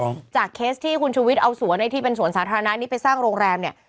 ผู้เสียหายจากเคสที่คุณชุธเอาสวนในที่เป็นสันธรรณานี้ไปสร้างโรงแรมเนี่ย